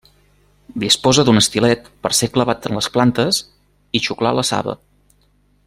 Disposa d'un estilet per a ser clavat en les plantes i xuclar la saba.